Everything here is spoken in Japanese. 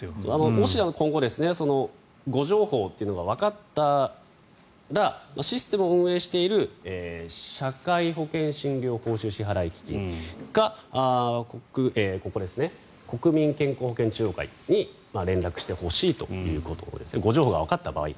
もし、今後誤情報などがわかったらシステムを運営している社会保険診療報酬支払基金か国民健康保険中央会に連絡してほしいということですね。